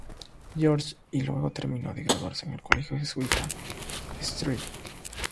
George y luego terminó de graduarse en el colegio jesuita St.